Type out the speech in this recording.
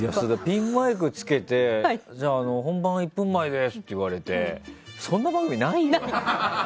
ピンマイクつけて本番１分前ですって言われてそんな番組ないよ？